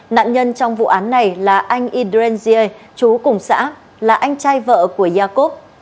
nạn nhân trong vụ án này là anh idren zier chú cùng xã là anh trai vợ của jacob